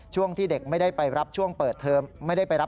ช่วงที่เด็กไม่ได้ไปรับช่วงปิดเทิมค่ะ